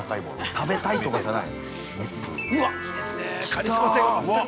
◆食べたいとかじゃない？